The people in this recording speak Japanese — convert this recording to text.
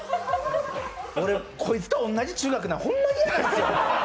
俺、こいつと同じ中学なの、ホンマに嫌なんですよ。